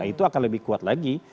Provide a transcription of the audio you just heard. itu akan lebih kuat lagi